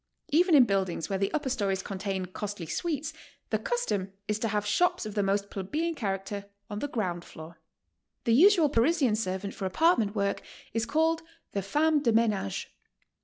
Even in buildings where the upper stories contain costly suites, the custom is to have shops of the most plebeian character on the ground floor. The usual Parisian servant for apartment work is called the "femme de menage."